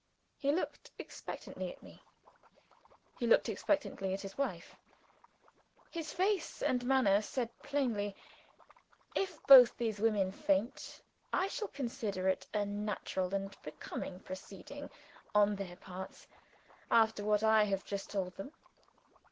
He looked expectantly at me he looked expectantly at his wife. His face and manner said plainly, "If both these women faint, I shall consider it a natural and becoming proceeding on their parts, after what I have just told them."